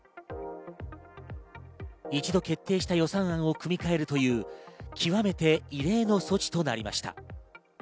一度決定した予算案を組みかえるという極めて異例の措置となりました。